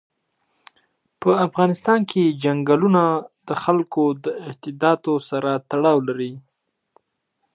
په افغانستان کې چنګلونه د خلکو د اعتقاداتو سره تړاو لري.